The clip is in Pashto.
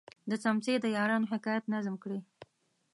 د څمڅې د یارانو حکایت نظم کړی.